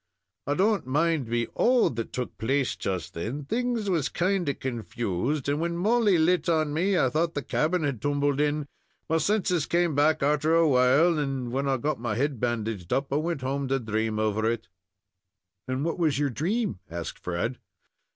I don't mind me all that took place just then. Things was kind of confused, and, when Molly lit on me, I thought the cabin had tumbled in. My senses came back arter a while, and when I got my head bandaged up, I wint home to dream over it." "And what was your dream?" asked Fred.